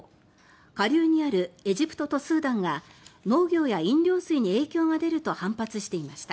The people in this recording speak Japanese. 下流にあるエジプトとスーダンが農業や飲料水に影響が出ると反発していました。